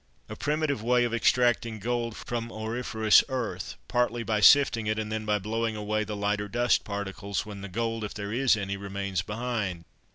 "A primitive way of extracting gold from auriferous earth, partly by sifting it, and then by blowing away the lighter dust particles, when the gold, if there is any, remains behind.